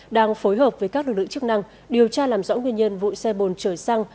đang phối hợp với các lực lượng chức năng điều tra làm rõ nguyên nhân vụ xe bồn chở xăng